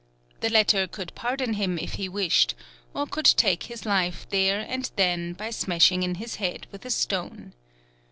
The latter could pardon him if he wished, or could take his life there and then by smashing in his head with a stone.